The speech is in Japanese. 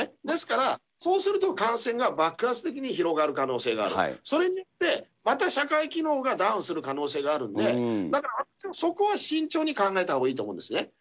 ですから、そうすると感染が爆発的に広がる可能性がある、それによって、また社会機能がダウンする可能性があるんで、だから私はそこも慎重に考えたほうがいいと思うんですね。